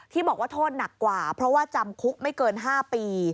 บอกว่าโทษหนักกว่าเพราะว่าจำคุกไม่เกิน๕ปี